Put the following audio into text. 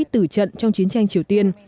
tử trận trong chiến tranh triều tiên